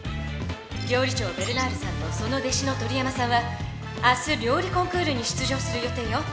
料理長ベルナールさんとその弟子の鳥山さんは明日料理コンクールに出場する予定よ。